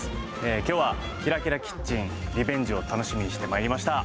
今日は「ＫｉｒａＫｉｒａキッチン」リベンジを楽しみにしてまいりました。